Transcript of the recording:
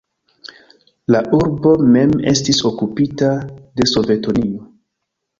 La urbo mem estis okupita de Sovetunio.